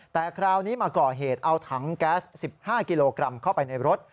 แต่คราวนี้มาก่อเหตุเอาถังแก๊ส๑๕กิโลกรัมเข้าไปในรถ